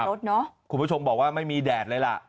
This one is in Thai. คุณผู้ชมบอกว่าไม่มีแดดเลยล่ะ